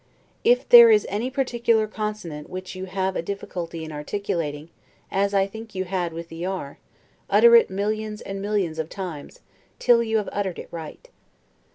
If there is any particular consonant which you have a difficulty in articulating, as I think you had with the R, utter it millions and millions of times, till you have uttered it right.